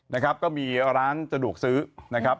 นะครับก็มีร้านสะดวกซื้อนะครับ